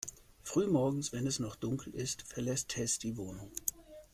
Früh morgens, wenn es noch dunkel ist, verlässt Tess die Wohnung.